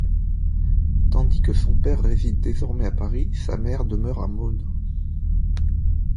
Tandis que son père réside désormais à Paris, sa mère demeure à Mosnes.